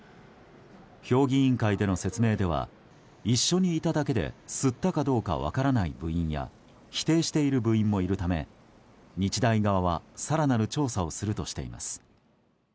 評議員会での説明では一緒にいただけで吸ったかどうか分からない部員や否定している部員もいるため日大側は更なる調査をするとしています。